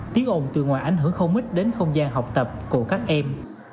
tiếng ồn từ ngoài ảnh hưởng không ít đến không gian học tập của các em